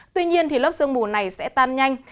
tuy nhiên lớp sương mù này sẽ tan nhanh